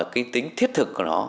cái tính thiết thực của nó